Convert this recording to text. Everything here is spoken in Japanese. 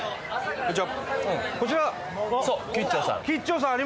こんにちは！